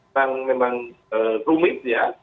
yang memang rumitnya